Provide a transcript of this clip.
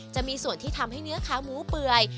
จะมีส่วนที่ทำให้เนื้อขาหมูเปื่อย